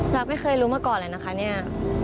เราไม่เคยรู้มาก่อนเลยนะคะเนี่ย